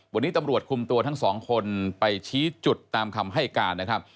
วันนี้ตำรวจคุมตัวทั้งสองคนไปชี้จุดตามคำให้การนะครับ